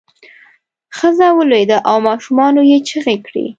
ښځه ولویده او ماشومانو یې چغې کړې.